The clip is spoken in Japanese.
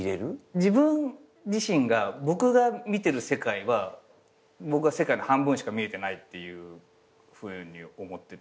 自分自身が僕が見てる世界は僕は世界の半分しか見えてないっていうふうに思ってて。